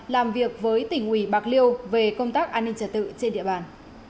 làm việc với tỉnh ủy bạc liêu về công tác an ninh trả tự trên địa bàn